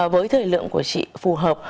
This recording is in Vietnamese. với thời lượng của chị phù hợp